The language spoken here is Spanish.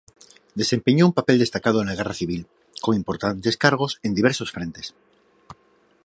Desempeñó un papel destacado en la guerra civil, con importantes cargos en diversos frentes.